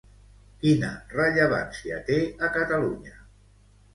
Quina rellevància té a Catalunya?